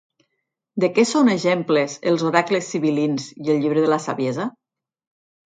De què són exemples Els Oracles sibil·lins i el Llibre de la Saviesa?